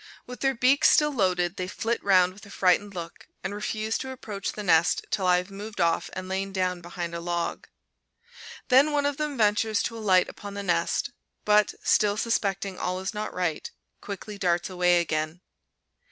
With their beaks still loaded, they flit round with a frightened look, and refuse to approach the nest till I have moved off and lain down behind a log. Then one of them ventures to alight upon the nest, but, still suspecting all is not right, quickly darts away again.